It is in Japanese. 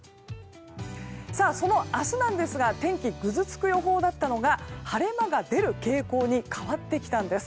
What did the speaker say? その明日なんですが天気、ぐずつく予報だったのが晴れ間が出る傾向に変わってきたんです。